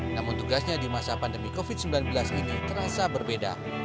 namun tugasnya di masa pandemi covid sembilan belas ini terasa berbeda